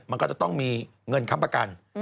มันก็จะต้องมีเงินค้ำประกัน